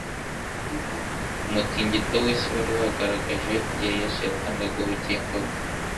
Umutingito w'isi wari wagaragaje igihe Yesu yatangaga ubugingo bwe,